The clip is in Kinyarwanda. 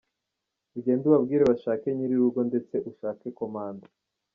ugende ubabwire bashake nyiri urugo ndetse ushake komanda.